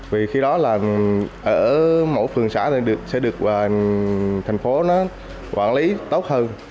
vì khi đó là ở mỗi phường xã sẽ được thành phố nó quản lý tốt hơn